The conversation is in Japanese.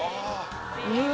うわ